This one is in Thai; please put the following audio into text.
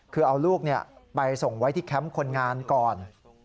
คือเอาลูกไปส่งไว้ที่แคมป์คนงานก่อน